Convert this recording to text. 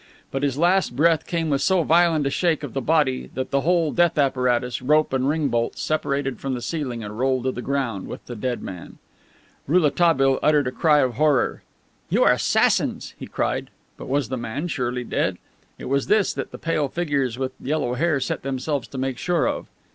But his last breath came with so violent a shake of the body that the whole death apparatus, rope and ring bolt, separated from the ceiling, and rolled to the ground with the dead man. Rouletabille uttered a cry of horror. "You are assassins!" he cried. But was the man surely dead? It was this that the pale figures with the yellow hair set themselves to make sure of.